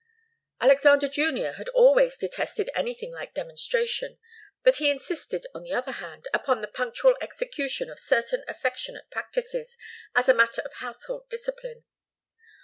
Alexander Junior had always detested anything like demonstration, but he insisted, on the other hand, upon the punctual execution of certain affectionate practices, as a matter of household discipline.